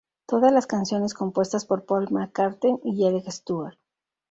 Todas las canciones compuestas por Paul McCartney y Eric Stewart.